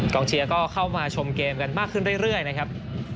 เชียร์ก็เข้ามาชมเกมกันมากขึ้นเรื่อยนะครับ